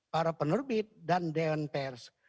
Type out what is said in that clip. para penerbit dan dewan pers